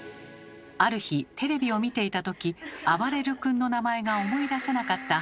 ある日テレビを見ていた時あばれる君の名前が思い出せなかった母。